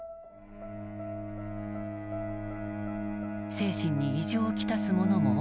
精神に異常を来す者も多かった。